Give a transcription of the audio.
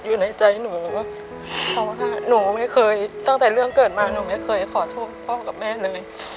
แต่ในใจหนูตั้งแต่เรื่องเกิดมาไม่เคยขอโทษพ่อแม่เลย